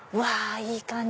いい感じ